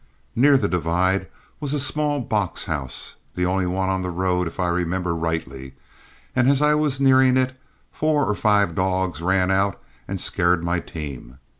Near the divide was a small box house, the only one on the road if I remember rightly, and as I was nearing it, four or five dogs ran out and scared my team.